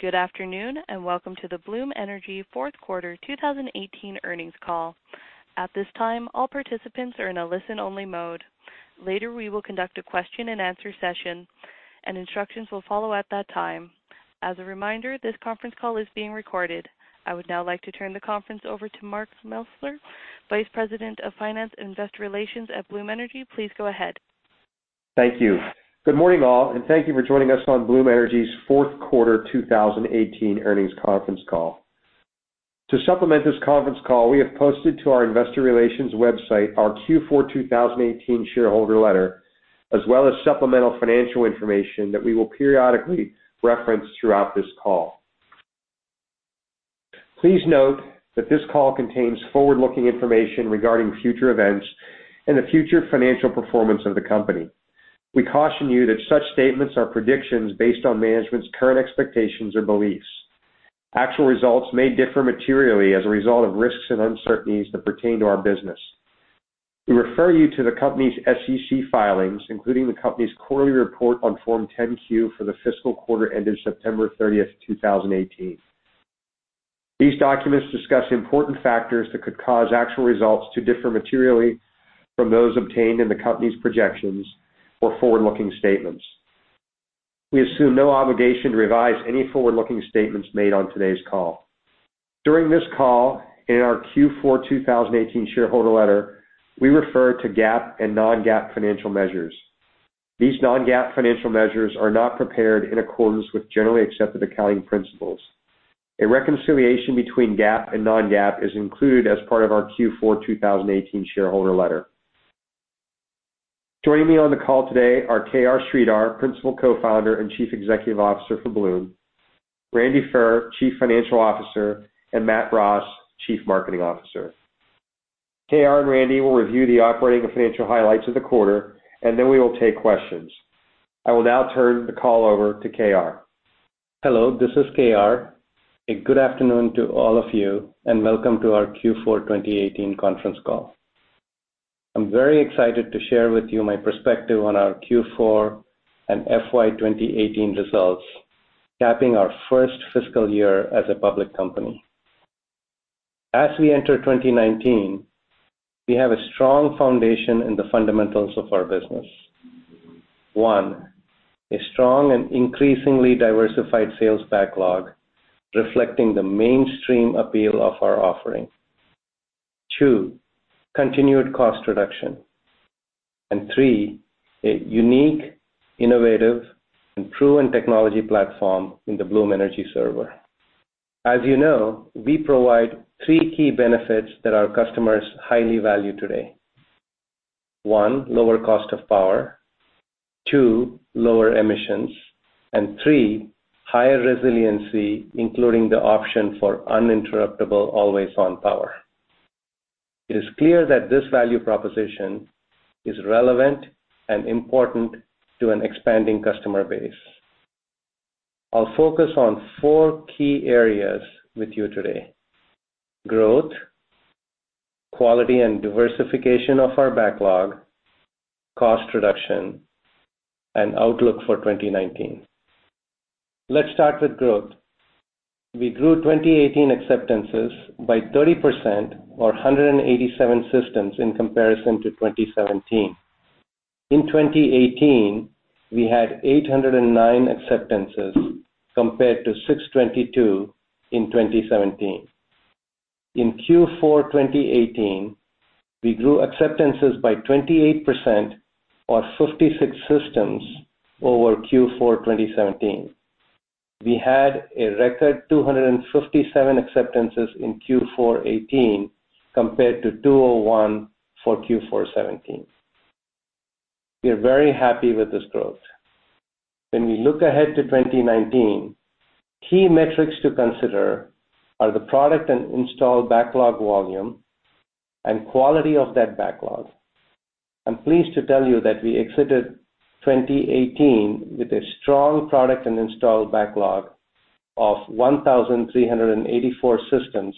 Good afternoon, and welcome to the Bloom Energy fourth quarter 2018 earnings call. At this time, all participants are in a listen-only mode. Later, we will conduct a question-and-answer session, and instructions will follow at that time. As a reminder, this conference call is being recorded. I would now like to turn the conference over to Mark Mesler, Vice President of Finance and Investor Relations at Bloom Energy. Please go ahead. Thank you. Good morning, all, and thank you for joining us on Bloom Energy's fourth quarter 2018 earnings conference call. To supplement this conference call, we have posted to our investor relations website our Q4 2018 shareholder letter, as well as supplemental financial information that we will periodically reference throughout this call. Please note that this call contains forward-looking information regarding future events and the future financial performance of the company. We caution you that such statements are predictions based on management's current expectations or beliefs. Actual results may differ materially as a result of risks and uncertainties that pertain to our business. We refer you to the company's SEC filings, including the company's quarterly report on Form 10-Q for the fiscal quarter ended September 30th, 2018. These documents discuss important factors that could cause actual results to differ materially from those obtained in the company's projections or forward-looking statements. We assume no obligation to revise any forward-looking statements made on today's call. During this call, in our Q4 2018 shareholder letter, we refer to GAAP and non-GAAP financial measures. These non-GAAP financial measures are not prepared in accordance with generally accepted accounting principles. A reconciliation between GAAP and non-GAAP is included as part of our Q4 2018 shareholder letter. Joining me on the call today are KR Sridhar, Principal Co-Founder and Chief Executive Officer for Bloom; Randy Furr, Chief Financial Officer; and Matt Ross, Chief Marketing Officer. KR and Randy will review the operating and financial highlights of the quarter, and then we will take questions. I will now turn the call over to KR. Hello, this is KR, and good afternoon to all of you, and welcome to our Q4 2018 conference call. I'm very excited to share with you my perspective on our Q4 and FY 2018 results, capping our first fiscal year as a public company. As we enter 2019, we have a strong foundation in the fundamentals of our business. One, a strong and increasingly diversified sales backlog reflecting the mainstream appeal of our offering. Two, continued cost reduction. Three, a unique, innovative, and proven technology platform in the Bloom Energy Server. As you know, we provide three key benefits that our customers highly value today. One, lower cost of power; two, lower emissions; and three, higher resiliency, including the option for uninterruptible, always-on power. It is clear that this value proposition is relevant and important to an expanding customer base. I'll focus on four key areas with you today: growth, quality and diversification of our backlog, cost reduction, and outlook for 2019. Let's start with growth. We grew 2018 acceptances by 30%, or 187 systems in comparison to 2017. In 2018, we had 809 acceptances compared to 622 in 2017. In Q4 2018, we grew acceptances by 28%, or 56 systems over Q4 2017. We had a record 257 acceptances in Q4 2018 compared to 201 for Q4 2017. We are very happy with this growth. When we look ahead to 2019, key metrics to consider are the product and installed backlog volume and quality of that backlog. I'm pleased to tell you that we exited 2018 with a strong product and installed backlog of 1,384 systems,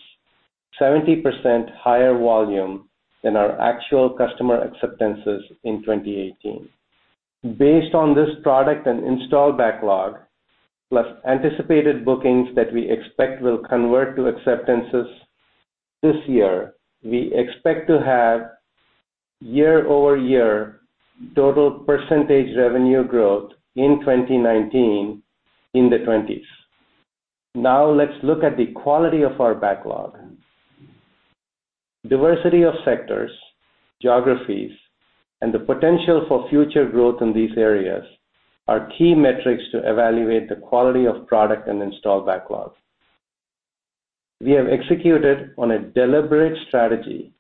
70% higher volume than our actual customer acceptances in 2018. Based on this product and installed backlog, plus anticipated bookings that we expect will convert to acceptances this year, we expect to have year-over-year total percentage revenue growth in 2019 in the 20s. Let's look at the quality of our backlog. Diversity of sectors, geographies, and the potential for future growth in these areas are key metrics to evaluate the quality of product and installed backlog. We have executed on a deliberate strategy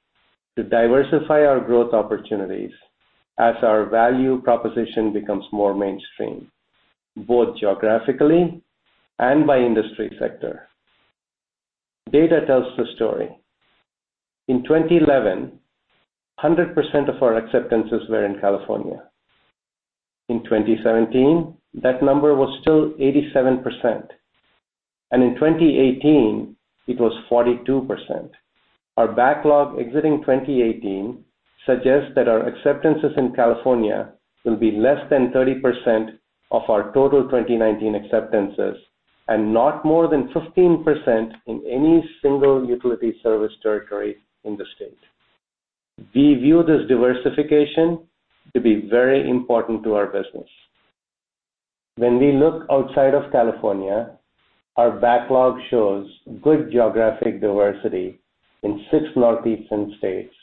to diversify our growth opportunities as our value proposition becomes more mainstream, both geographically and by industry sector. Data tells the story. In 2011, 100% of our acceptances were in California. In 2017, that number was still 87%. In 2018, it was 42%. Our backlog exiting 2018 suggests that our acceptances in California will be less than 30% of our total 2019 acceptances and not more than 15% in any single utility service territory in the state. We view this diversification to be very important to our business. When we look outside of California, our backlog shows good geographic diversity in six Northeastern states,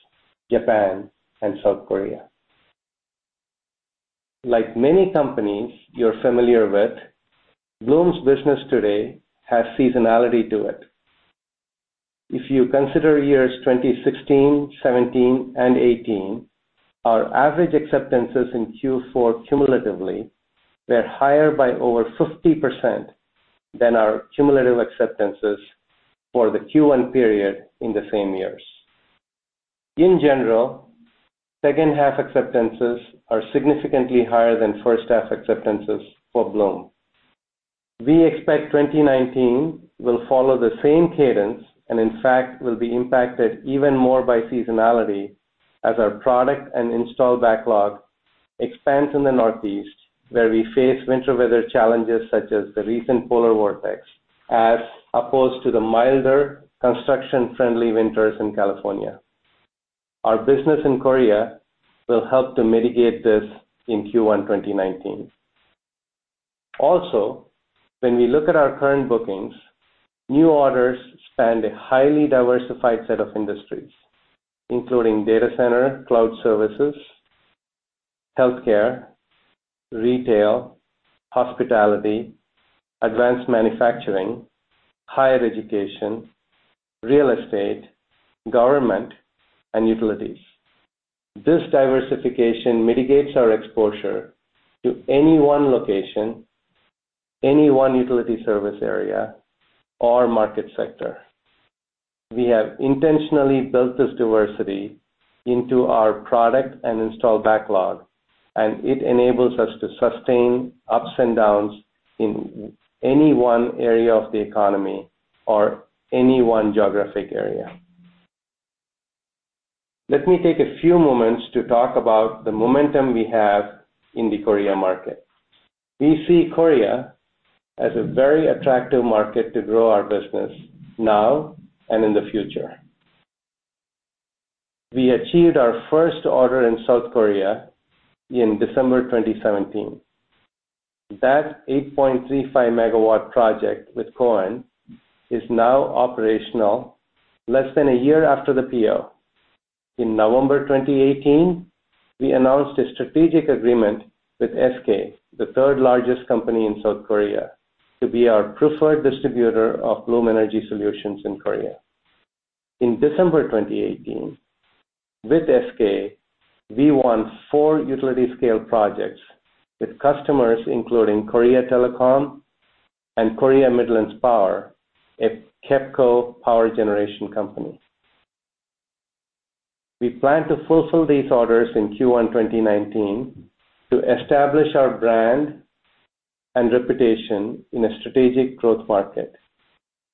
Japan, and South Korea. Like many companies you are familiar with, Bloom Energy's business today has seasonality to it. If you consider years 2016, 2017, and 2018, our average acceptances in Q4 cumulatively were higher by over 50% than our cumulative acceptances for the Q1 period in the same years. In general, second half acceptances are significantly higher than first half acceptances for Bloom Energy. We expect 2019 will follow the same cadence, and in fact, will be impacted even more by seasonality as our product and install backlog expands in the Northeast, where we face winter weather challenges such as the recent polar vortex, as opposed to the milder, construction-friendly winters in California. Our business in Korea will help to mitigate this in Q1 2019. When we look at our current bookings, new orders span a highly diversified set of industries, including data center, cloud services, healthcare, retail, hospitality, advanced manufacturing, higher education, real estate, government, and utilities. This diversification mitigates our exposure to any one location, any one utility service area, or market sector. We have intentionally built this diversity into our product and install backlog, and it enables us to sustain ups and downs in any one area of the economy or any one geographic area. Let me take a few moments to talk about the momentum we have in the Korea market. We see Korea as a very attractive market to grow our business now and in the future. We achieved our first order in South Korea in December 2017. That 8.35 MW project with KOEN is now operational less than a year after the PO. In November 2018, we announced a strategic agreement with SK, the third largest company in South Korea, to be our preferred distributor of Bloom Energy Solutions in Korea. In December 2018, with SK, we won four utility scale projects with customers including KT Corporation and Korea Midland Power, a KEPCO power generation company. We plan to fulfill these orders in Q1 2019 to establish our brand and reputation in a strategic growth market,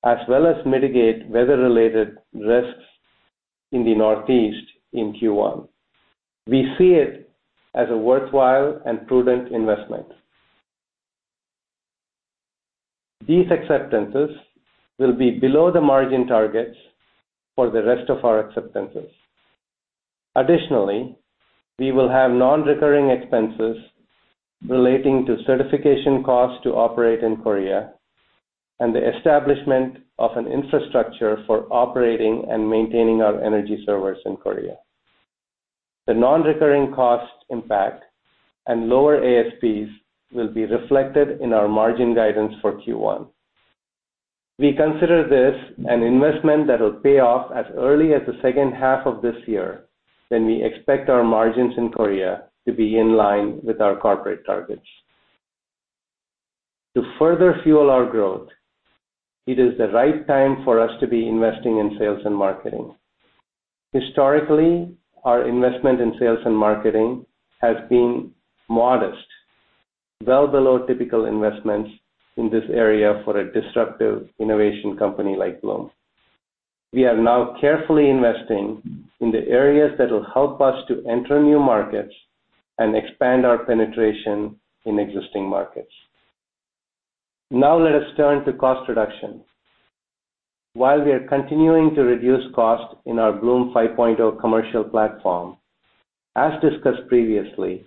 as well as mitigate weather-related risks in the Northeast in Q1. We see it as a worthwhile and prudent investment. These acceptances will be below the margin targets for the rest of our acceptances. Additionally, we will have non-recurring expenses relating to certification costs to operate in Korea and the establishment of an infrastructure for operating and maintaining our energy servers in Korea. The non-recurring cost impact and lower ASPs will be reflected in our margin guidance for Q1. We consider this an investment that will pay off as early as the second half of this year, when we expect our margins in Korea to be in line with our corporate targets. To further fuel our growth, it is the right time for us to be investing in sales and marketing. Historically, our investment in sales and marketing has been modest, well below typical investments in this area for a disruptive innovation company like Bloom. We are now carefully investing in the areas that will help us to enter new markets and expand our penetration in existing markets. Let us turn to cost reduction. While we are continuing to reduce cost in our Bloom 5.0 commercial platform, as discussed previously,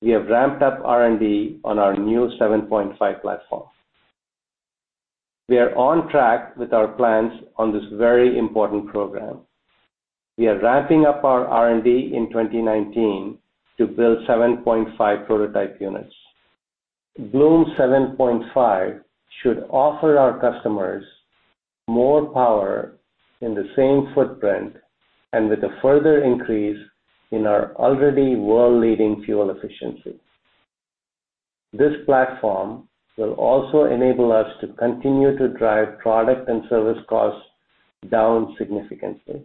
we have ramped up R&D on our new Bloom 7.5 platform. We are on track with our plans on this very important program. We are ramping up our R&D in 2019 to build Bloom 7.5 prototype units. Bloom 7.5 should offer our customers more power in the same footprint and with a further increase in our already world-leading fuel efficiency. This platform will also enable us to continue to drive product and service costs down significantly.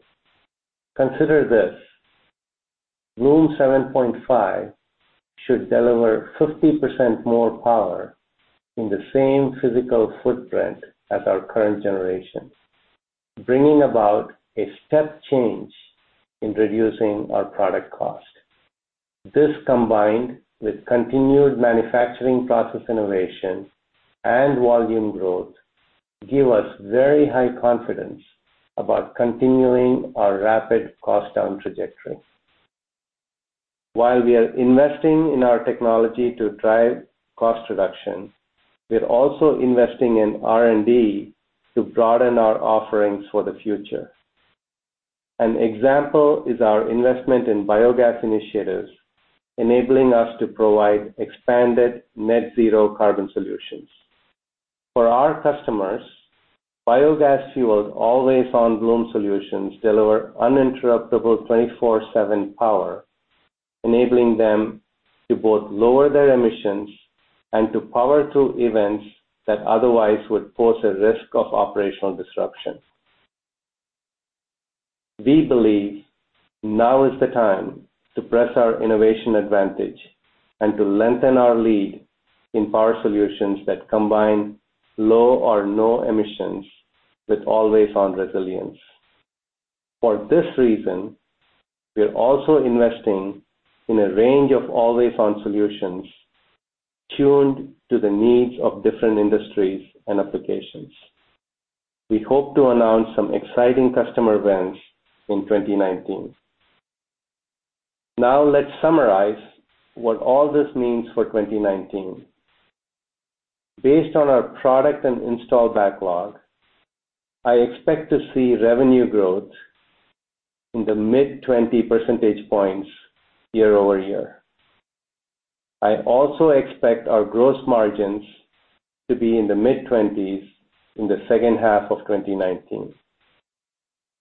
Consider this. Bloom 7.5 should deliver 50% more power in the same physical footprint as our current generation, bringing about a step change in reducing our product cost. This, combined with continued manufacturing process innovation and volume growth, give us very high confidence about continuing our rapid cost-down trajectory. While we are investing in our technology to drive cost reduction, we are also investing in R&D to broaden our offerings for the future. An example is our investment in biogas initiatives, enabling us to provide expanded net zero carbon solutions. For our customers, biogas fuels AlwaysON Bloom solutions deliver uninterruptible 24/7 power, enabling them to both lower their emissions and to power through events that otherwise would pose a risk of operational disruption. We believe now is the time to press our innovation advantage and to lengthen our lead in power solutions that combine low or no emissions with always-on resilience. For this reason, we are also investing in a range of always-on solutions tuned to the needs of different industries and applications. We hope to announce some exciting customer wins in 2019. Let's summarize what all this means for 2019. Based on our product and install backlog, I expect to see revenue growth in the mid-20 percentage points year-over-year. I also expect our gross margins to be in the mid-20s in the second half of 2019.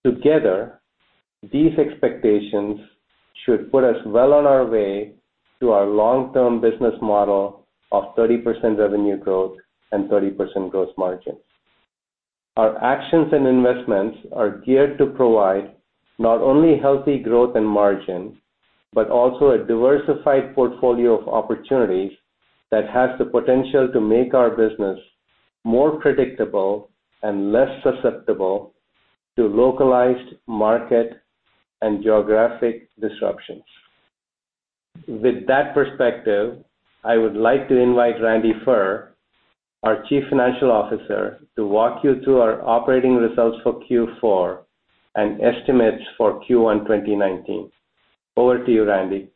Together, these expectations should put us well on our way to our long-term business model of 30% revenue growth and 30% gross margins. Our actions and investments are geared to provide not only healthy growth and margin, but also a diversified portfolio of opportunities that has the potential to make our business more predictable and less susceptible to localized market and geographic disruptions. With that perspective, I would like to invite Randy Furr, our Chief Financial Officer, to walk you through our operating results for Q4 and estimates for Q1 2019. Over to you, Randy.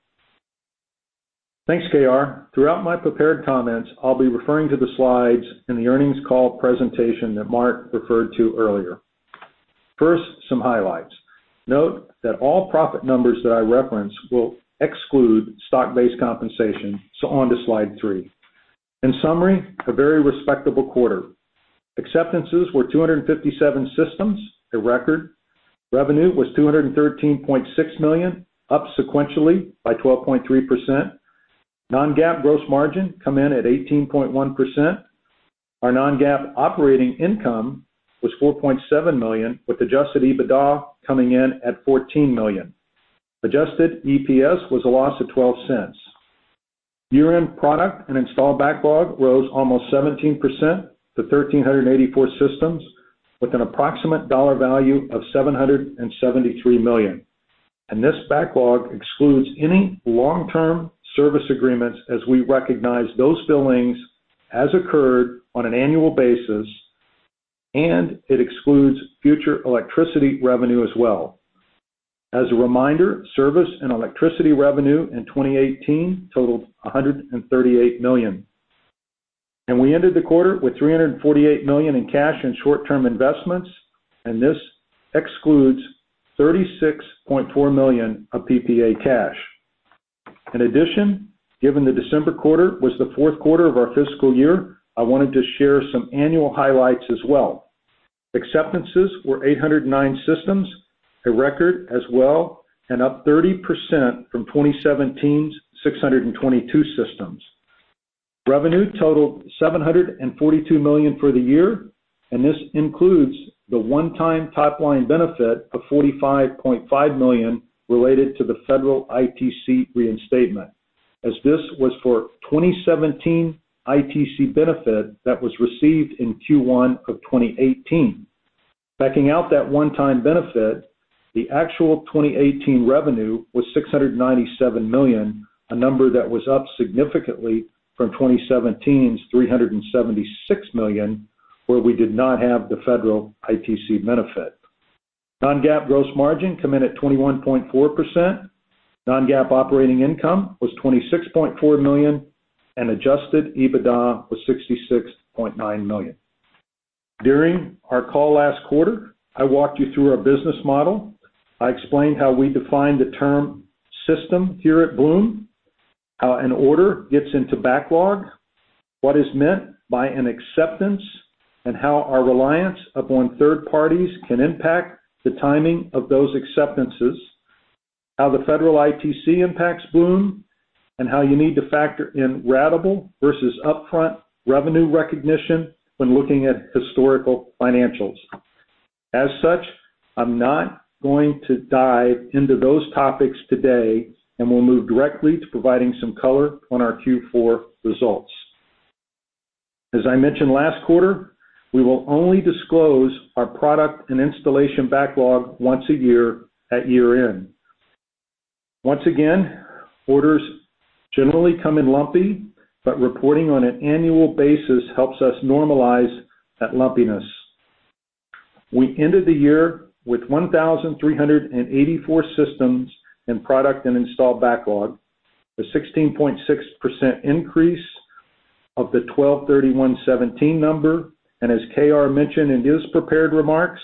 Thanks, KR. Throughout my prepared comments, I'll be referring to the slides in the earnings call presentation that Mark referred to earlier. First, some highlights. Note that all profit numbers that I reference will exclude stock-based compensation. On to slide three. In summary, a very respectable quarter. Acceptances were 257 systems, a record. Revenue was $213.6 million, up sequentially by 12.3%. Non-GAAP gross margin come in at 18.1%. Our non-GAAP operating income was $4.7 million, with adjusted EBITDA coming in at $14 million. Adjusted EPS was a loss of $0.12. Year-end product and installed backlog rose almost 17% to 1,384 systems, with an approximate dollar value of $773 million. This backlog excludes any long-term service agreements, as we recognize those billings as occurred on an annual basis, and it excludes future electricity revenue as well. As a reminder, service and electricity revenue in 2018 totaled $138 million. We ended the quarter with $348 million in cash and short-term investments, and this excludes $36.4 million of PPA cash. In addition, given the December quarter was the fourth quarter of our fiscal year, I wanted to share some annual highlights as well. Acceptances were 809 systems, a record as well, and up 30% from 2017's 622 systems. Revenue totaled $742 million for the year, and this includes the one-time top-line benefit of $45.5 million related to the federal ITC reinstatement, as this was for 2017 ITC benefit that was received in Q1 of 2018. Backing out that one-time benefit, the actual 2018 revenue was $697 million, a number that was up significantly from 2017's $376 million, where we did not have the federal ITC benefit. Non-GAAP gross margin come in at 21.4%. Non-GAAP operating income was $26.4 million, and adjusted EBITDA was $66.9 million. During our call last quarter, I walked you through our business model. I explained how we define the term system here at Bloom, how an order gets into backlog, what is meant by an acceptance, and how our reliance upon third parties can impact the timing of those acceptances, how the federal ITC impacts Bloom, and how you need to factor in ratable versus upfront revenue recognition when looking at historical financials. As such, I'm not going to dive into those topics today, and we'll move directly to providing some color on our Q4 results. As I mentioned last quarter, we will only disclose our product and installation backlog once a year at year-end. Once again, orders generally come in lumpy, but reporting on an annual basis helps us normalize that lumpiness. We ended the year with 1,384 systems in product and installed backlog, a 16.6% increase of the 12/31/2017 number, and as KR mentioned in his prepared remarks,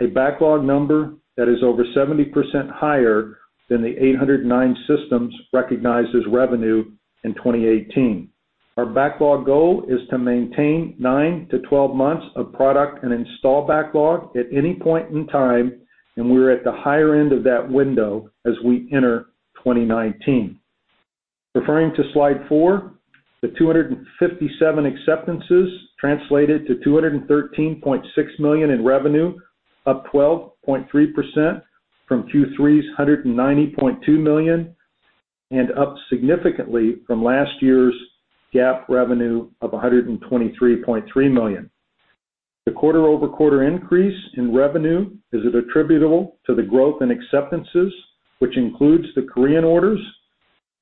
a backlog number that is over 70% higher than the 809 systems recognized as revenue in 2018. Our backlog goal is to maintain 9-12 months of product and install backlog at any point in time, and we're at the higher end of that window as we enter 2019. Referring to slide four, the 257 acceptances translated to $213.6 million in revenue, up 12.3% from Q3's $190.2 million, and up significantly from last year's GAAP revenue of $123.3 million. The quarter-over-quarter increase in revenue is attributable to the growth in acceptances, which includes the Korean orders.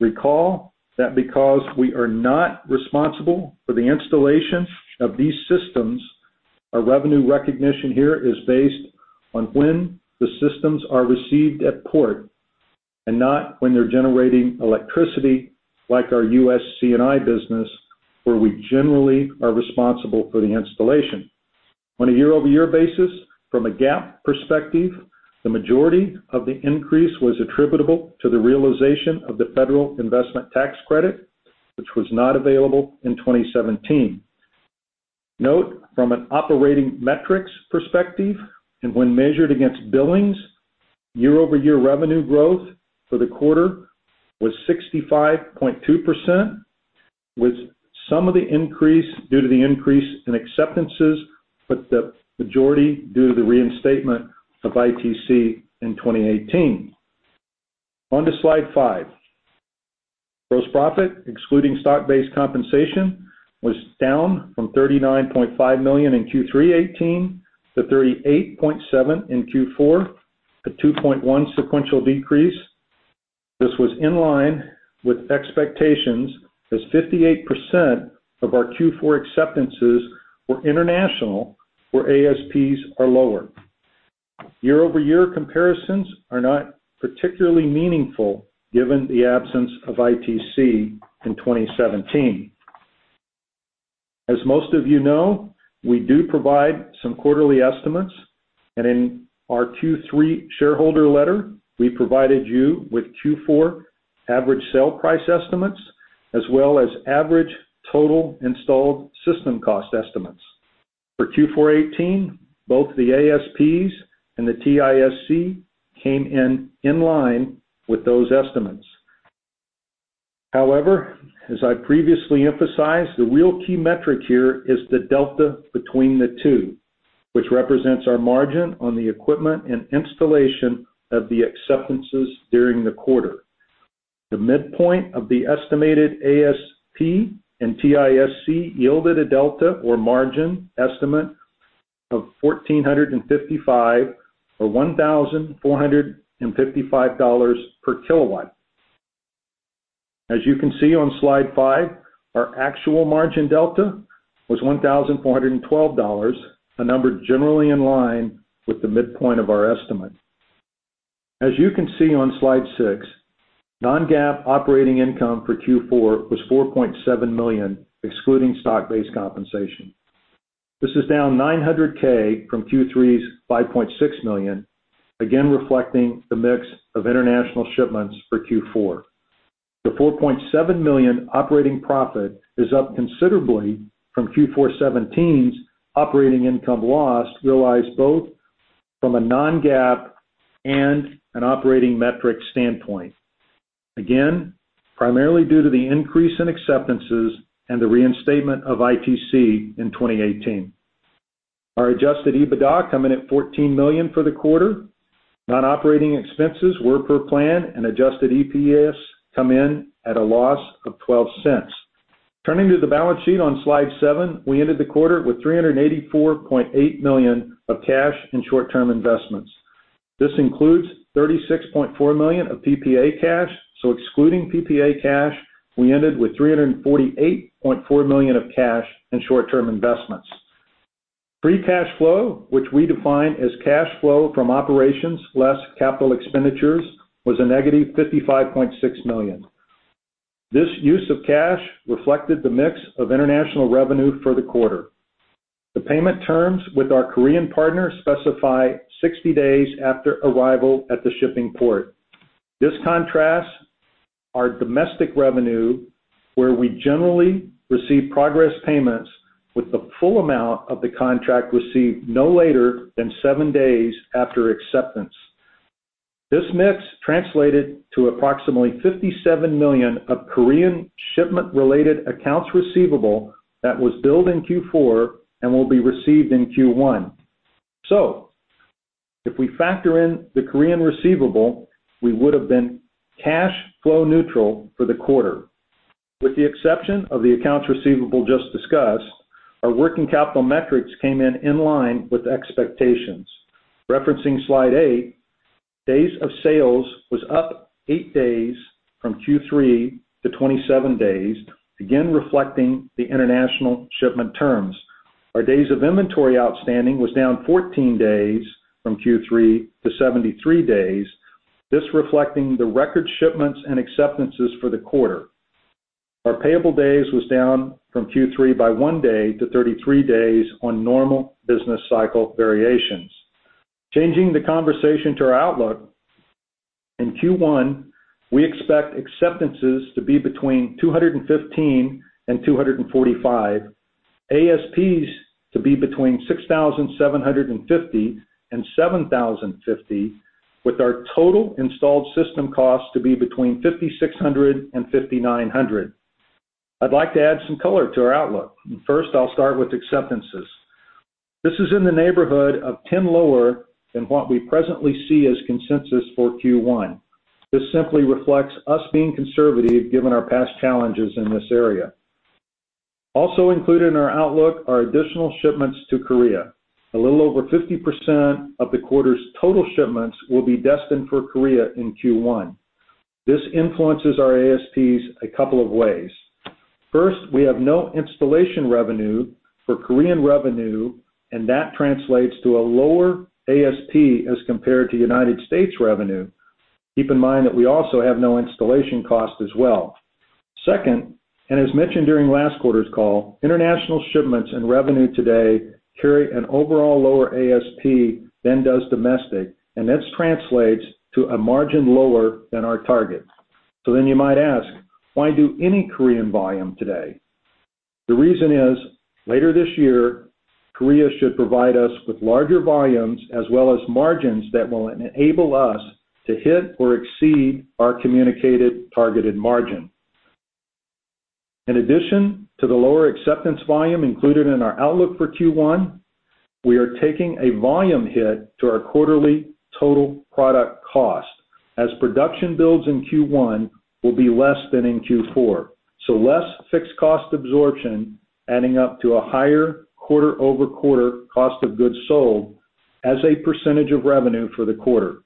Recall that because we are not responsible for the installation of these systems, our revenue recognition here is based on when the systems are received at port and not when they're generating electricity like our U.S. C&I business, where we generally are responsible for the installation. On a year-over-year basis, from a GAAP perspective, the majority of the increase was attributable to the realization of the federal investment tax credit, which was not available in 2017. Note from an operating metrics perspective, and when measured against billings, year-over-year revenue growth for the quarter was 65.2%, with some of the increase due to the increase in acceptances, but the majority due to the reinstatement of ITC in 2018. On to slide five. Gross profit, excluding stock-based compensation, was down from $39.5 million in Q3 2018 to $38.7 million in Q4, a 2.1% sequential decrease. This was in line with expectations as 58% of our Q4 acceptances were international, where ASPs are lower. Year-over-year comparisons are not particularly meaningful given the absence of ITC in 2017. As most of you know, we do provide some quarterly estimates, and in our Q3 shareholder letter, we provided you with Q4 average sale price estimates, as well as average total installed system cost estimates. For Q4 2018, both the ASPs and the TISC came in in line with those estimates. However, as I previously emphasized, the real key metric here is the delta between the two, which represents our margin on the equipment and installation of the acceptances during the quarter. The midpoint of the estimated ASP and TISC yielded a delta or margin estimate of $1,455 or $1,455 per kilowatt. As you can see on slide five, our actual margin delta was $1,412, a number generally in line with the midpoint of our estimate. As you can see on slide six, non-GAAP operating income for Q4 was $4.7 million, excluding stock-based compensation. This is down $900,000 from Q3's $5.6 million, again reflecting the mix of international shipments for Q4. The $4.7 million operating profit is up considerably from Q4 2017's operating income loss, realized both from a non-GAAP and an operating metric standpoint. Again, primarily due to the increase in acceptances and the reinstatement of ITC in 2018. Our adjusted EBITDA come in at $14 million for the quarter. Non-operating expenses were per plan, adjusted EPS come in at a loss of $0.12. Turning to the balance sheet on slide seven, we ended the quarter with $384.8 million of cash and short-term investments. This includes $36.4 million of PPA cash, excluding PPA cash, we ended with $348.4 million of cash in short-term investments. Free cash flow, which we define as cash flow from operations less capital expenditures, was a negative $55.6 million. This use of cash reflected the mix of international revenue for the quarter. The payment terms with our Korean partners specify 60 days after arrival at the shipping port. This contrasts our domestic revenue, where we generally receive progress payments with the full amount of the contract received no later than seven days after acceptance. This mix translated to approximately $57 million of Korean shipment-related accounts receivable that was billed in Q4 and will be received in Q1. If we factor in the Korean receivable, we would've been cash flow neutral for the quarter. With the exception of the accounts receivable just discussed, our working capital metrics came in line with expectations. Referencing slide eight, days of sales was up eight days from Q3 to 27 days, again, reflecting the international shipment terms. Our days of inventory outstanding was down 14 days from Q3 to 73 days. This reflecting the record shipments and acceptances for the quarter. Our payable days was down from Q3 by one day to 33 days on normal business cycle variations. Changing the conversation to our outlook. In Q1, we expect acceptances to be between 215 and 245, ASPs to be between $6,750 and $7,050, with our total installed system cost to be between $5,600 and $5,900. I'd like to add some color to our outlook. First, I'll start with acceptances. This is in the neighborhood of 10 lower than what we presently see as consensus for Q1. This simply reflects us being conservative given our past challenges in this area. Also included in our outlook are additional shipments to Korea. A little over 50% of the quarter's total shipments will be destined for Korea in Q1. This influences our ASPs a couple of ways. First, we have no installation revenue for Korean revenue, and that translates to a lower ASP as compared to U.S. revenue. Keep in mind that we also have no installation cost as well. Second, as mentioned during last quarter's call, international shipments and revenue today carry an overall lower ASP than does domestic, and this translates to a margin lower than our target. You might ask, why do any Korean volume today? The reason is, later this year, Korea should provide us with larger volumes as well as margins that will enable us to hit or exceed our communicated targeted margin. In addition to the lower acceptance volume included in our outlook for Q1, we are taking a volume hit to our quarterly total product cost as production builds in Q1 will be less than in Q4. Less fixed cost absorption adding up to a higher quarter-over-quarter cost of goods sold as a percentage of revenue for the quarter.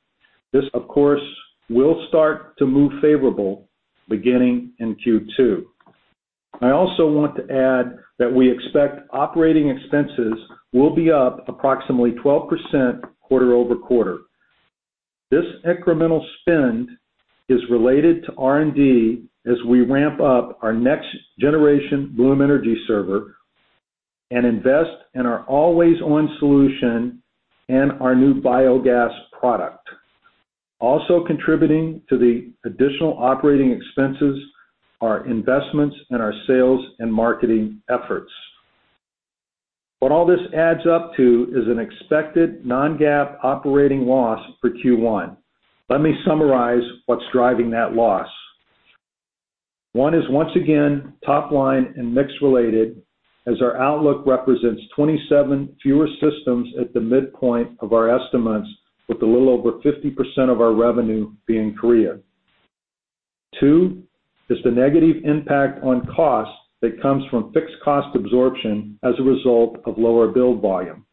This, of course, will start to move favorable beginning in Q2. I also want to add that we expect operating expenses will be up approximately 12% quarter-over-quarter. This incremental spend is related to R&D as we ramp up our next generation Bloom Energy Server and invest in our always-on solution and our new biogas product. Also contributing to the additional operating expenses are investments in our sales and marketing efforts. What all this adds up to is an expected non-GAAP operating loss for Q1. Let me summarize what's driving that loss. One is once again top line and mix related, as our outlook represents 27 fewer systems at the midpoint of our estimates, with a little over 50% of our revenue being Korea. Two is the negative impact on cost that comes from fixed cost absorption as a result of lower build volume.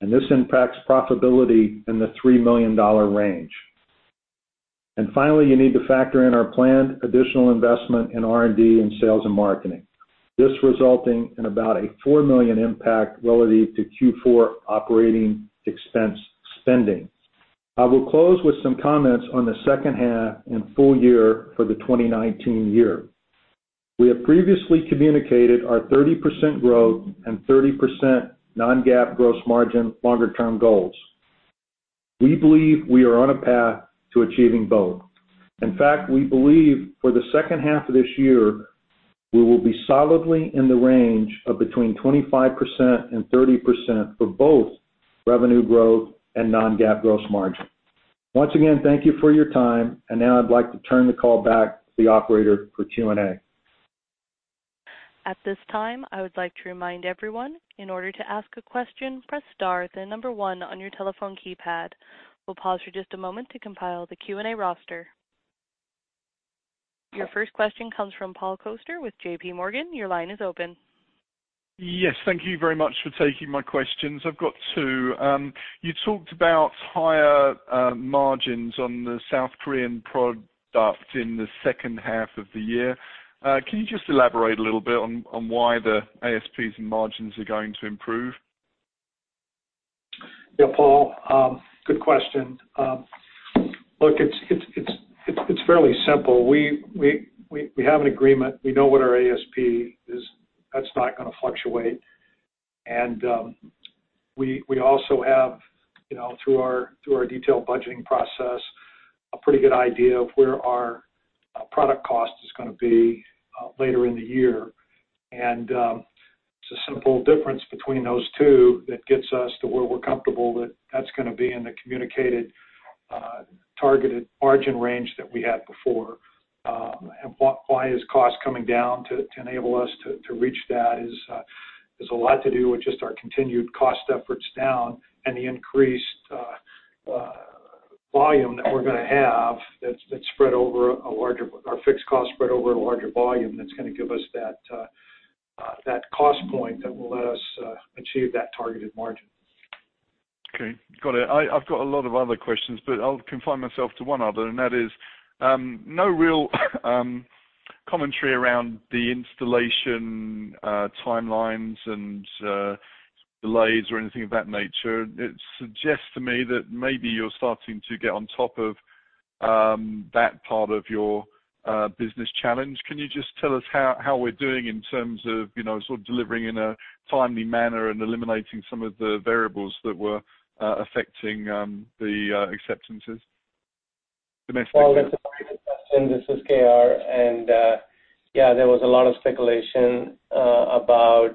This impacts profitability in the $3 million range. Finally, you need to factor in our planned additional investment in R&D and sales and marketing. This resulting in about a $4 million impact relative to Q4 operating expense spending. I will close with some comments on the second half and full year for the 2019 year. We have previously communicated our 30% growth and 30% non-GAAP gross margin longer term goals. We believe we are on a path to achieving both. In fact, we believe for the second half of this year, we will be solidly in the range of between 25% and 30% for both revenue growth and non-GAAP gross margin. Once again, thank you for your time, and now I'd like to turn the call back to the operator for Q&A. At this time, I would like to remind everyone, in order to ask a question, press star, then number one on your telephone keypad. We'll pause for just a moment to compile the Q&A roster. Your first question comes from Paul Coster with JPMorgan. Your line is open. Yes. Thank you very much for taking my questions. I've got two. You talked about higher margins on the South Korean product in the second half of the year. Can you just elaborate a little bit on why the ASPs and margins are going to improve? Yeah, Paul. Good question. Look, it's fairly simple. We have an agreement. We know what our ASP is. That's not gonna fluctuate. We also have, through our detailed budgeting process, a pretty good idea of where our product cost is going to be later in the year. It's a simple difference between those two that gets us to where we're comfortable that's going to be in the communicated targeted margin range that we had before. Why is cost coming down to enable us to reach that is a lot to do with just our continued cost efforts down and the increased volume that we're going to have, our fixed cost spread over a larger volume that's going to give us that cost point that will let us achieve that targeted margin. Okay. Got it. I've got a lot of other questions, but I'll confine myself to one other, and that is, no real commentary around the installation timelines and delays or anything of that nature. It suggests to me that maybe you're starting to get on top of that part of your business challenge. Can you just tell us how we're doing in terms of sort of delivering in a timely manner and eliminating some of the variables that were affecting the acceptances domestically? Paul, this is KR. Yeah, there was a lot of speculation about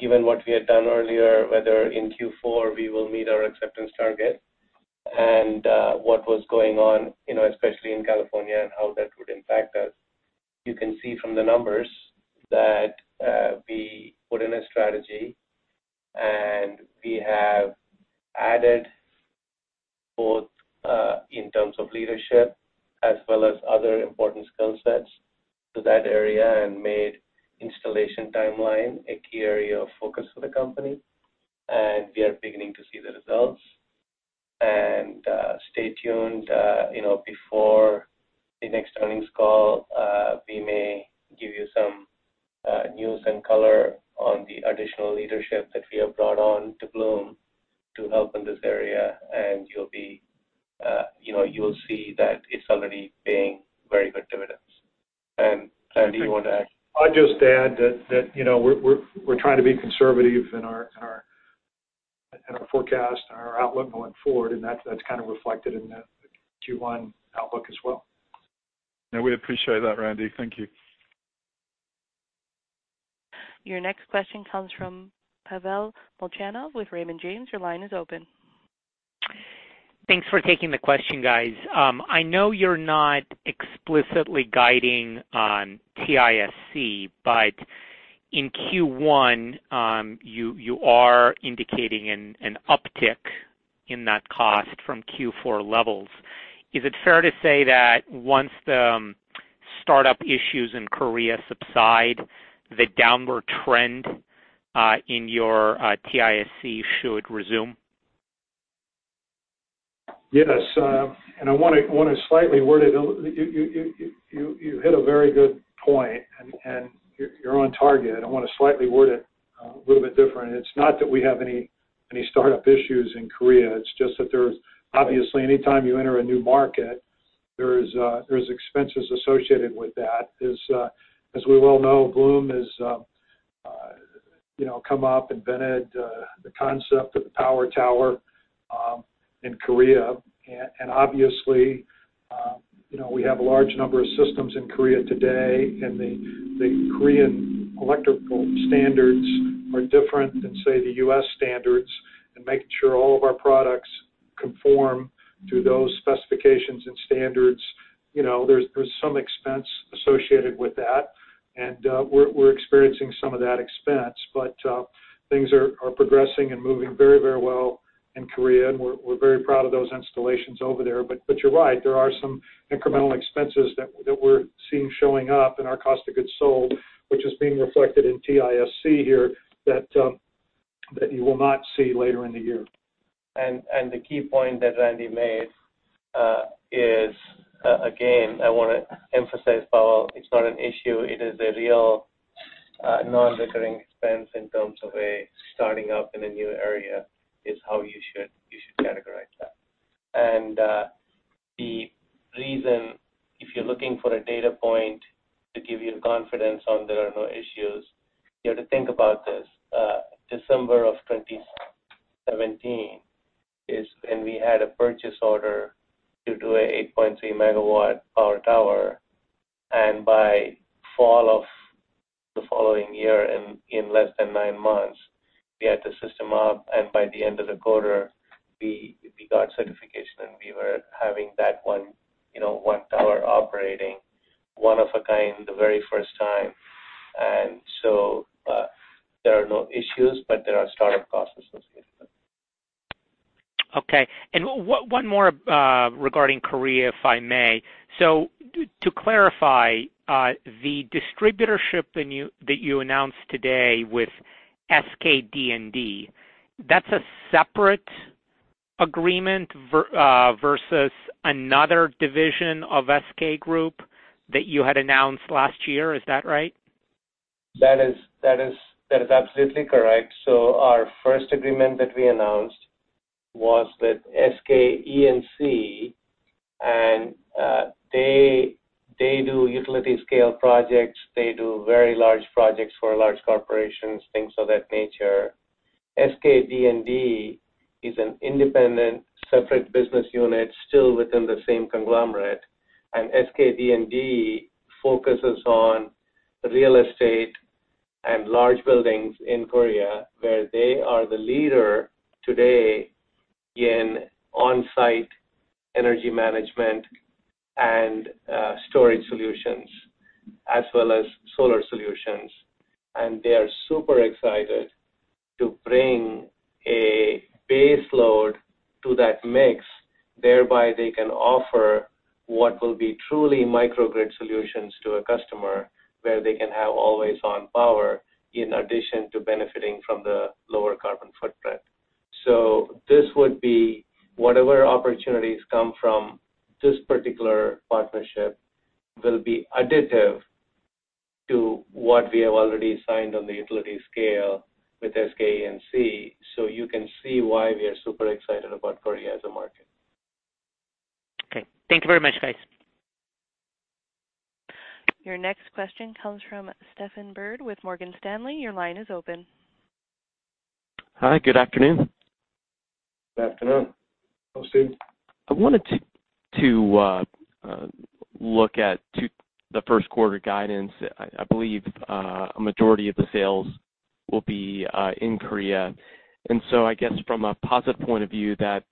given what we had done earlier, whether in Q4 we will meet our acceptance target and what was going on, especially in California and how that would impact us. You can see from the numbers that we put in a strategy, we have added both in terms of leadership as well as other important skill sets to that area and made installation timeline a key area of focus for the company. We are beginning to see the results. Stay tuned before the next earnings call we may give you some news and color on the additional leadership that we have brought on to Bloom to help in this area. You will see that it's already paying very good dividends. Randy, do you want to add? I'll just add that we're trying to be conservative in our forecast and our outlook going forward, that's kind of reflected in the Q1 outlook as well. Yeah, we appreciate that, Randy. Thank you. Your next question comes from Pavel Molchanov with Raymond James. Your line is open. Thanks for taking the question, guys. I know you're not explicitly guiding on TISC, you're indicating an uptick in that cost from Q4 levels. Is it fair to say that once the startup issues in Korea subside, the downward trend in your TISC should resume? Yes. You hit a very good point, you're on target. I want to slightly word it a little bit different. It's not that we have any startup issues in Korea. It's just that there's obviously anytime you enter a new market, there's expenses associated with that. As we well know, Bloom has come up, invented the concept of the Power Tower in Korea. Obviously, we have a large number of systems in Korea today, and the Korean electrical standards are different than, say, the U.S. standards and making sure all of our products conform to those specifications and standards. There's some expense associated with that, and we're experiencing some of that expense. Things are progressing and moving very well in Korea, and we're very proud of those installations over there. You're right, there are some incremental expenses that we're seeing showing up in our cost of goods sold, which is being reflected in TISC here that you will not see later in the year. The key point that Randy made is, again, I want to emphasize, Pavel, it's not an issue. It is a real non-recurring expense in terms of a starting up in a new area, is how you should categorize that. The reason, if you're looking for a data point to give you confidence on there are no issues, you have to think about this. December of 2017 is when we had a purchase order to do a 8.3 MW Power Tower. By fall of the following year, in less than nine months, we had the system up, and by the end of the quarter, we got certification, and we were having that one tower operating, one of a kind, the very first time. There are no issues, but there are startup costs associated with it. Okay. One more regarding Korea, if I may. To clarify, the distributorship that you announced today with SK D&D, that's a separate agreement versus another division of SK Group that you had announced last year. Is that right? That is absolutely correct. Our first agreement that we announced was with SK E&C, and they do utility scale projects. They do very large projects for large corporations, things of that nature. SK D&D is an independent separate business unit still within the same conglomerate. SK D&D focuses on real estate and large buildings in Korea, where they are the leader today in on-site energy management and storage solutions, as well as solar solutions. They are super excited to bring a base load to that mix, thereby they can offer what will be truly microgrid solutions to a customer, where they can have always-on power in addition to benefiting from the lower carbon footprint. This would be whatever opportunities come from this particular partnership will be additive to what we have already signed on the utility scale with SK E&C, so you can see why we are super excited about Korea as a market. Okay. Thank you very much, guys. Your next question comes from Stephen Byrd with Morgan Stanley. Your line is open. Hi, good afternoon. Good afternoon. Go, Stephen. I wanted to look at the first quarter guidance. I believe a majority of the sales will be in Korea. I guess from a positive point of view that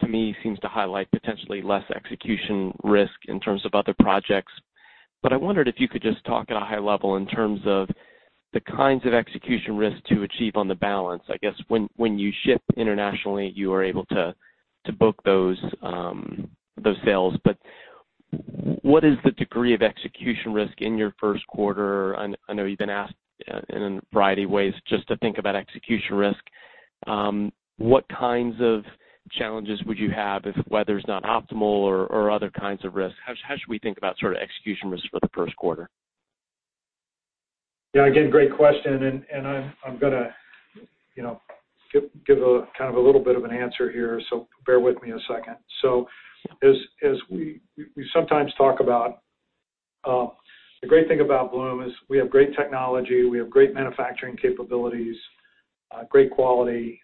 to me seems to highlight potentially less execution risk in terms of other projects. I wondered if you could just talk at a high level in terms of the kinds of execution risk to achieve on the balance. I guess when you ship internationally, you are able to book those sales. What is the degree of execution risk in your first quarter? I know you've been asked in a variety of ways just to think about execution risk. What kinds of challenges would you have if weather's not optimal or other kinds of risks? How should we think about sort of execution risk for the first quarter? Yeah, again, great question. I'm going to give a little bit of an answer here, so bear with me a second. As we sometimes talk about, the great thing about Bloom is we have great technology, we have great manufacturing capabilities, great quality,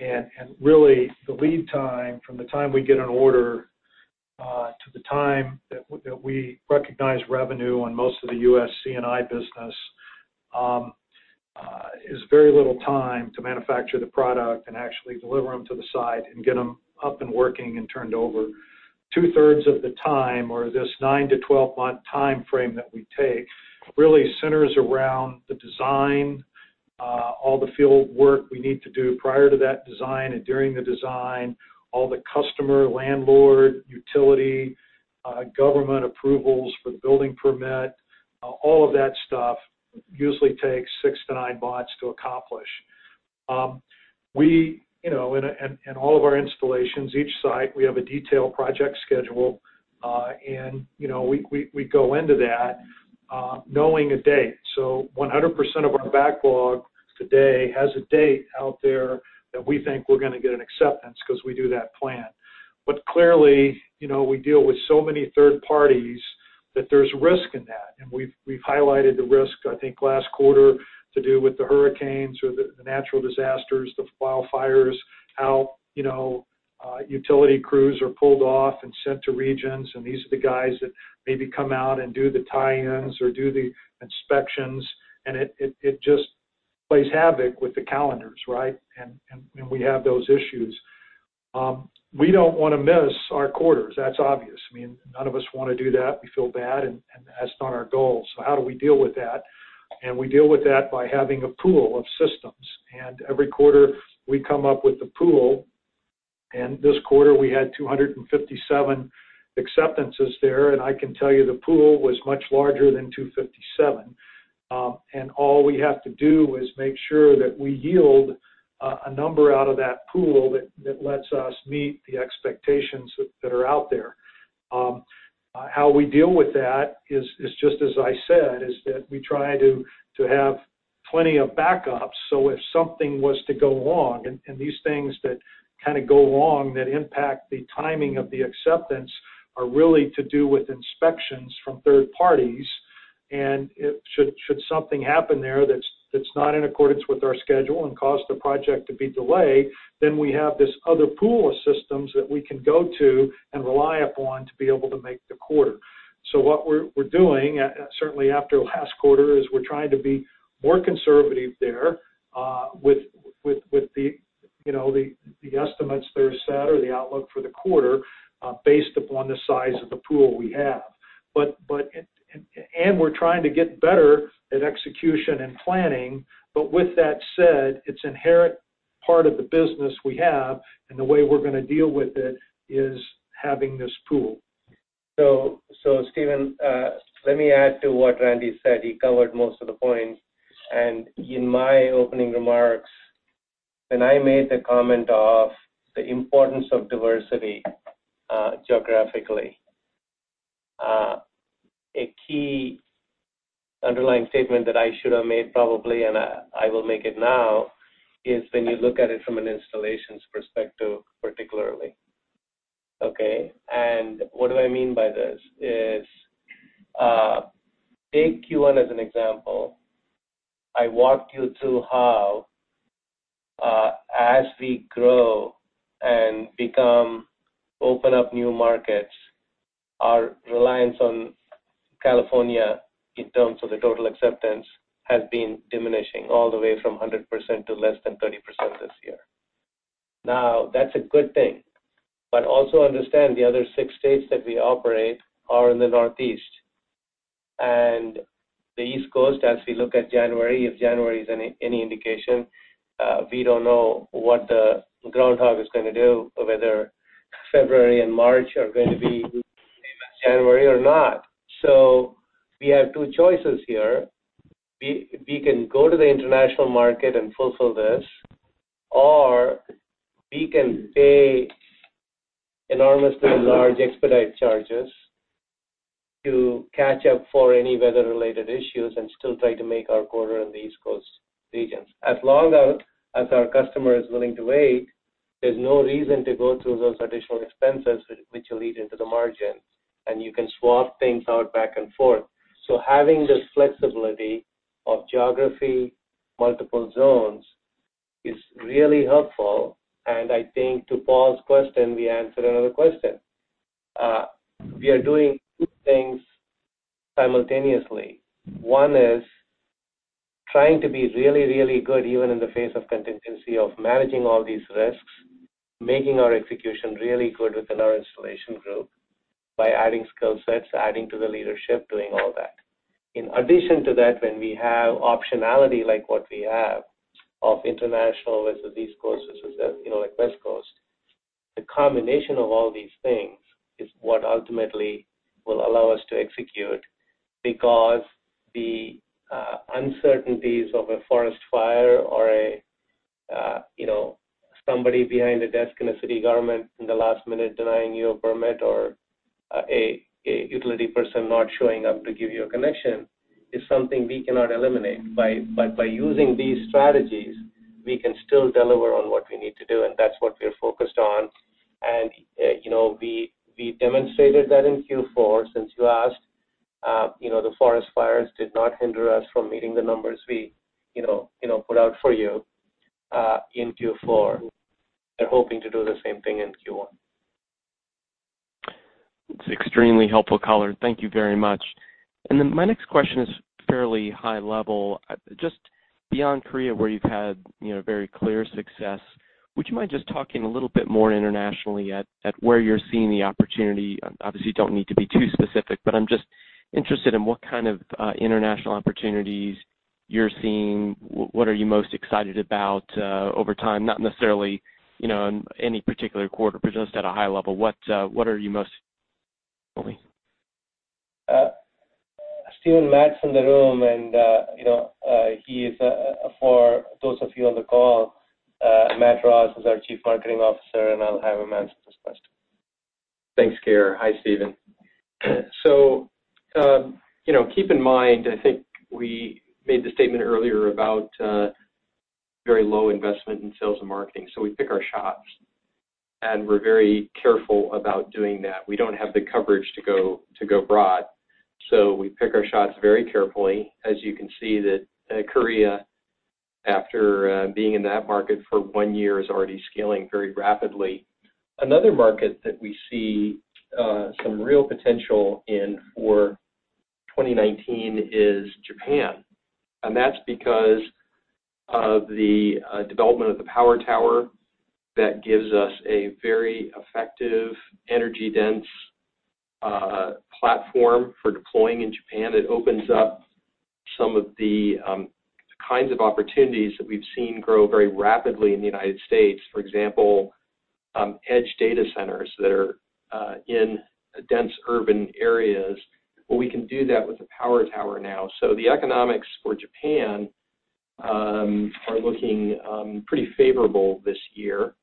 and really the lead time from the time we get an order to the time that we recognize revenue on most of the U.S. C&I business is very little time to manufacture the product and actually deliver them to the site and get them up and working and turned over. Two-thirds of the time or this 9-12 months timeframe that we take really centers around the design, all the field work we need to do prior to that design and during the design, all the customer, landlord, utility, government approvals for the building permit. All of that stuff usually takes six to nine months to accomplish. In all of our installations, each site, we have a detailed project schedule, and we go into that knowing a date. 100% of our backlog today has a date out there that we think we're going to get an acceptance because we do that plan. Clearly, we deal with so many third parties that there's risk in that, and we've highlighted the risk, I think, last quarter to do with the hurricanes or the natural disasters, the wildfires, how utility crews are pulled off and sent to regions, and these are the guys that maybe come out and do the tie-ins or do the inspections, and it just plays havoc with the calendars, right, and we have those issues. We don't want to miss our quarters. That's obvious. None of us want to do that. We feel bad. That's not our goal. How do we deal with that? We deal with that by having a pool of systems. Every quarter we come up with a pool. This quarter we had 257 acceptances there, and I can tell you the pool was much larger than 257. All we have to do is make sure that we yield a number out of that pool that lets us meet the expectations that are out there. How we deal with that is just as I said, we try to have plenty of backups. If something was to go wrong, these things that go wrong that impact the timing of the acceptance are really to do with inspections from third parties. Should something happen there that's not in accordance with our schedule and cause the project to be delayed, we have this other pool of systems that we can go to and rely upon to be able to make the quarter. What we're doing, certainly after last quarter, is we're trying to be more conservative there with the estimates that are set or the outlook for the quarter based upon the size of the pool we have. We're trying to get better at execution and planning. With that said, it's inherent part of the business we have and the way we're going to deal with it is having this pool. Stephen, let me add to what Randy said. He covered most of the points. In my opening remarks, when I made the comment of the importance of diversity geographically, a key underlying statement that I should have made probably, and I will make it now, is when you look at it from an installations perspective, particularly. What do I mean by this is, take Q1 as an example. I walked you through how, as we grow and open up new markets, our reliance on California in terms of the total acceptance has been diminishing all the way from 100% to less than 30% this year. That's a good thing, but also understand the other six states that we operate are in the Northeast. The East Coast, as we look at January, if January is any indication, we don't know what the groundhog is going to do, or whether February and March are going to be January or not. We have two choices here. We can go to the international market and fulfill this, or we can pay enormously large expedite charges to catch up for any weather-related issues and still try to make our quarter in the East Coast regions. As long as our customer is willing to wait, there's no reason to go through those additional expenses which will eat into the margin, and you can swap things out back and forth. Having this flexibility of geography, multiple zones, is really helpful. I think to Paul's question, we answered another question. We are doing two things simultaneously. One is trying to be really, really good even in the face of contingency, of managing all these risks, making our execution really good within our installation group by adding skill sets, adding to the leadership, doing all that. In addition to that, when we have optionality like what we have of international versus East Coast versus West Coast, the combination of all these things is what ultimately will allow us to execute, because the uncertainties of a forest fire or somebody behind a desk in a city government in the last minute denying you a permit or a utility person not showing up to give you a connection is something we cannot eliminate. By using these strategies, we can still deliver on what we need to do, and that's what we're focused on. We demonstrated that in Q4, since you asked. The forest fires did not hinder us from meeting the numbers we put out for you in Q4. We're hoping to do the same thing in Q1. It's extremely helpful color. Thank you very much. My next question is fairly high level. Beyond Korea, where you've had very clear success, would you mind just talking a little bit more internationally at where you're seeing the opportunity? You don't need to be too specific, I'm just interested in what kind of international opportunities you're seeing. What are you most excited about over time? Not necessarily in any particular quarter, just at a high level, what are you most Stephen, Matt's in the room, for those of you on the call, Matt Ross is our Chief Marketing Officer, I'll have him answer this question. Thanks, KR. Hi, Stephen. Keep in mind, I think we made the statement earlier about very low investment in sales and marketing. We pick our shots, we're very careful about doing that. We don't have the coverage to go broad. We pick our shots very carefully. As you can see that Korea, after being in that market for one year, is already scaling very rapidly. Another market that we see some real potential in for 2019 is Japan, that's because of the development of the Power Tower that gives us a very effective energy-dense platform for deploying in Japan. It opens up some of the kinds of opportunities that we've seen grow very rapidly in the U.S. For example, edge data centers that are in dense urban areas. Well, we can do that with the Power Tower now. The economics for Japan are looking pretty favorable this year,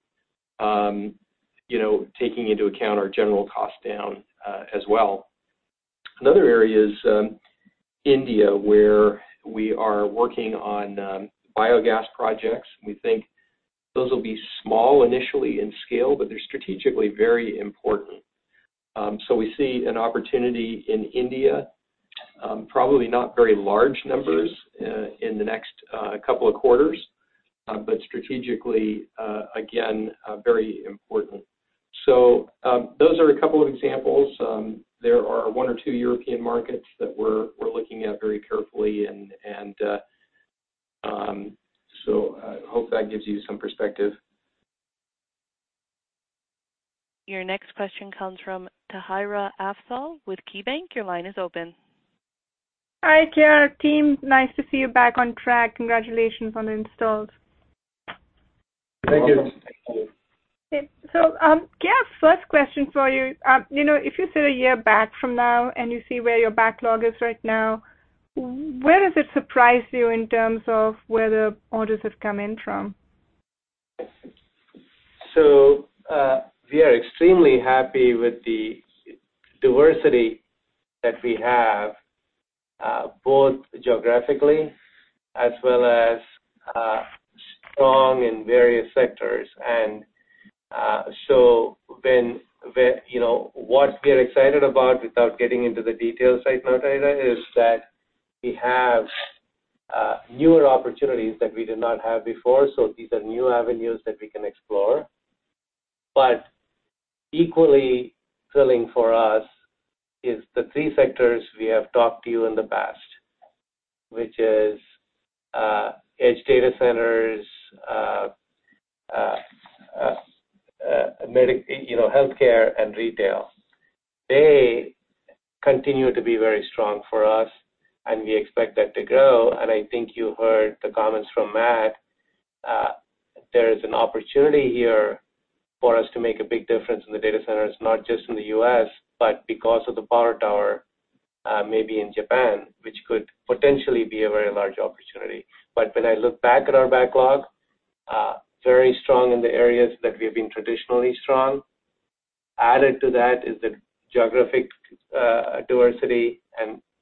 taking into account our general cost down as well. Another area is India, where we are working on biogas projects. We think those will be small initially in scale, they're strategically very important. We see an opportunity in India, probably not very large numbers in the next couple of quarters. Strategically, again, very important. Those are a couple of examples. There are one or two European markets that we're looking at very carefully, I hope that gives you some perspective. Your next question comes from Tahira Afzal with KeyBanc. Your line is open. Hi, KR, team. Nice to see you back on track. Congratulations on the installs. Thank you. KR, first question for you. If you sit one year back from now and you see where your backlog is right now, where does it surprise you in terms of where the orders have come in from? We are extremely happy with the diversity that we have. Both geographically as well as strong in various sectors. What we're excited about, without getting into the details right now, Tahira, is that we have newer opportunities that we did not have before, so these are new avenues that we can explore. Equally thrilling for us is the three sectors we have talked to you in the past, which is edge data centers, healthcare, and retail. They continue to be very strong for us, and we expect that to grow. I think you heard the comments from Matt, there is an opportunity here for us to make a big difference in the data centers, not just in the U.S., but because of the Power Tower, maybe in Japan, which could potentially be a very large opportunity. When I look back at our backlog, very strong in the areas that we've been traditionally strong. Added to that is the geographic diversity,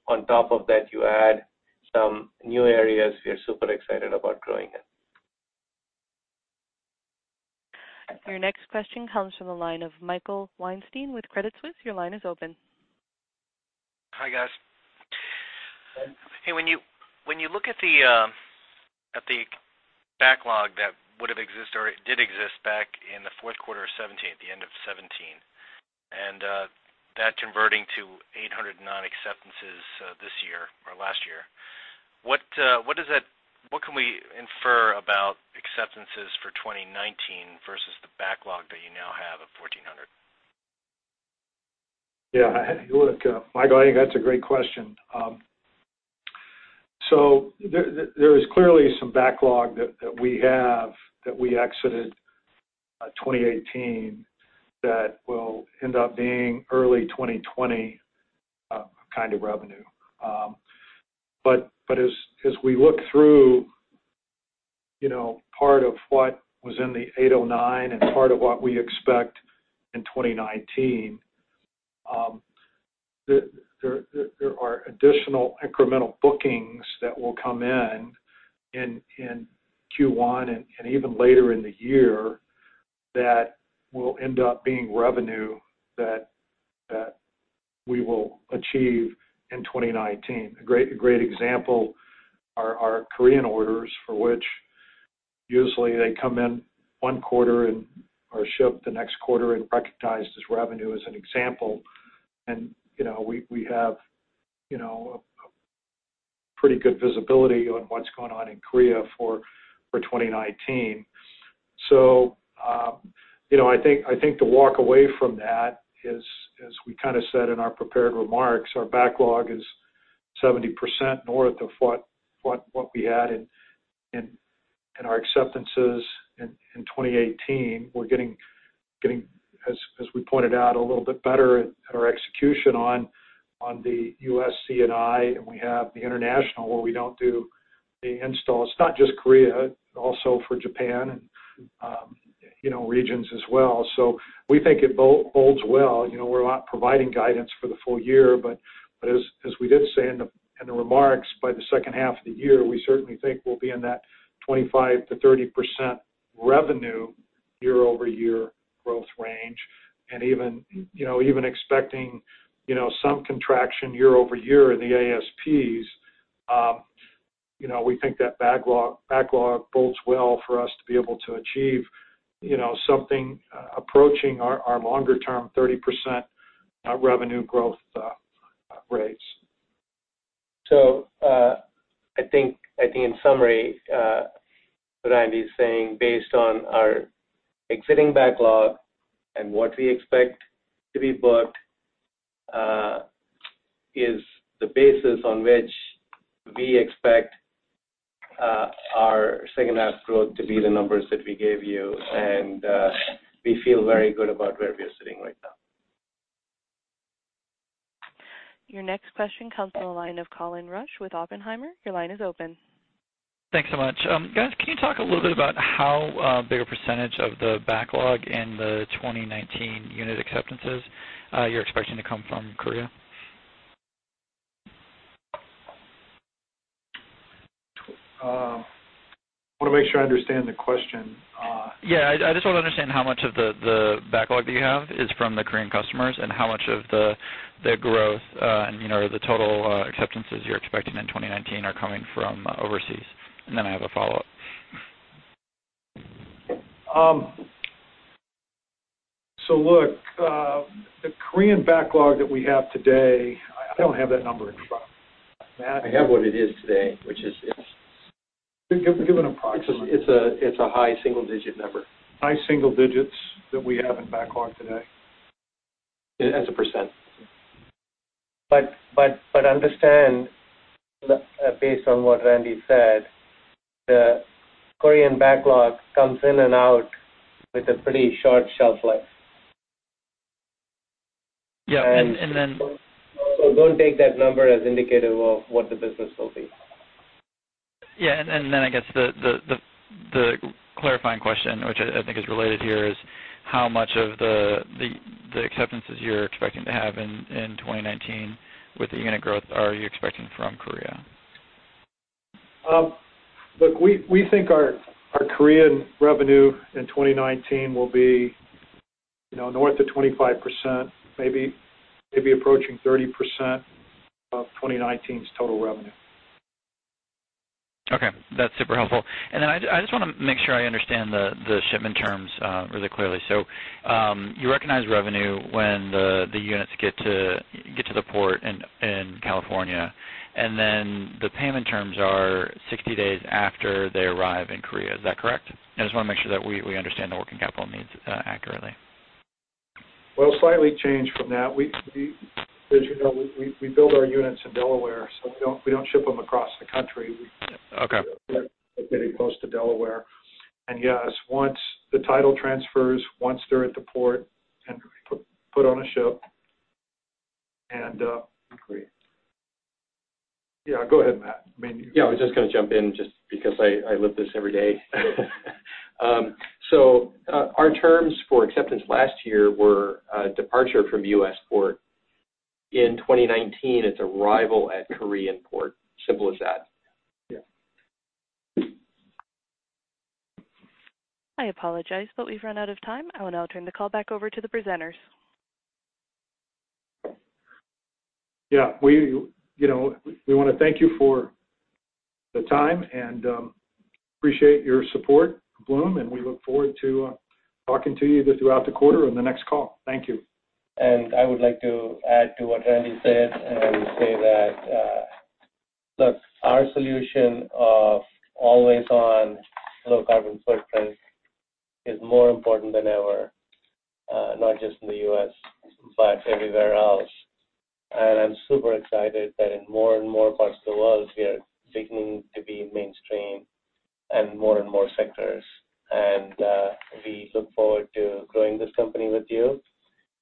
on top of that, you add some new areas we are super excited about growing in. Your next question comes from the line of Michael Weinstein with Credit Suisse. Your line is open. Hi, guys. Hi. Hey, when you look at the backlog that would have existed, or it did exist back in the fourth quarter of 2017, at the end of 2017, and that converting to 809 acceptances this year or last year, what can we infer about acceptances for 2019 versus the backlog that you now have of 1,400? Yeah. Look, Michael, I think that's a great question. There is clearly some backlog that we have, that we exited 2018, that will end up being early 2020 revenue. As we look through, part of what was in the 809 and part of what we expect in 2019, there are additional incremental bookings that will come in in Q1 and even later in the year that will end up being revenue that we will achieve in 2019. A great example are our Korean orders, for which usually they come in one quarter and are shipped the next quarter and recognized as revenue as an example. We have a pretty good visibility on what's going on in Korea for 2019. I think the walk away from that is, as we said in our prepared remarks, our backlog is 70% north of what we had in our acceptances in 2018. We're getting, as we pointed out, a little bit better at our execution on the U.S. C&I, and we have the international where we don't do the installs. It's not just Korea, also for Japan, and regions as well. We think it bodes well. We're not providing guidance for the full year, but as we did say in the remarks, by the second half of the year, we certainly think we'll be in that 25%-30% revenue year-over-year growth range. Even expecting some contraction year-over-year in the ASPs, we think that backlog bodes well for us to be able to achieve something approaching our longer-term 30% revenue growth rates. I think in summary, what Randy's saying, based on our exiting backlog and what we expect to be booked, is the basis on which we expect our second half growth to be the numbers that we gave you. We feel very good about where we are sitting right now. Your next question comes from the line of Colin Rusch with Oppenheimer. Your line is open. Thanks so much. Guys, can you talk a little bit about how big a percentage of the backlog in the 2019 unit acceptances you're expecting to come from Korea? I want to make sure I understand the question. Yeah, I just want to understand how much of the backlog that you have is from the Korean customers and how much of the growth and the total acceptances you're expecting in 2019 are coming from overseas. Then I have a follow-up. Look, the Korean backlog that we have today, I don't have that number in front. Matt? I have what it is today. Give an approximate it's a high single-digit number. High single digits that we have in backlog today. As a percent. Understand, based on what Randy said, the Korean backlog comes in and out with a pretty short shelf life. Yeah. Don't take that number as indicative of what the business will be. I guess the clarifying question, which I think is related here, is how much of the acceptances you're expecting to have in 2019 with the unit growth are you expecting from Korea? We think our Korean revenue in 2019 will be north of 25%, maybe approaching 30% of 2019's total revenue. That's super helpful. I just want to make sure I understand the shipment terms really clearly. You recognize revenue when the units get to the port in California, then the payment terms are 60 days after they arrive in Korea. Is that correct? I just want to make sure that we understand the working capital needs accurately. Slightly changed from that. As you know, we build our units in Delaware, we don't ship them across the country. Okay. They're getting close to Delaware. Yes, once the title transfers, once they're at the port and put on a ship. Yeah, go ahead, Matt. Yeah, I was just going to jump in just because I live this every day. Our terms for acceptance last year were departure from U.S. port. In 2019, it's arrival at Korean port. Simple as that. Yeah. I apologize, we've run out of time. I will now turn the call back over to the presenters. Yeah. We want to thank you for the time, and appreciate your support, Bloom, and we look forward to talking to you throughout the quarter on the next call. Thank you. I would like to add to what Randy said and say that, look, our solution of always-on low carbon footprint is more important than ever, not just in the U.S., but everywhere else. I'm super excited that in more and more parts of the world, we are beginning to be mainstream in more and more sectors. We look forward to growing this company with you,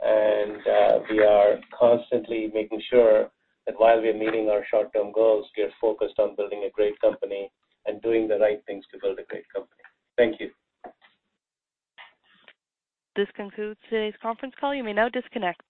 and we are constantly making sure that while we are meeting our short-term goals, we are focused on building a great company and doing the right things to build a great company. Thank you. This concludes today's conference call. You may now disconnect.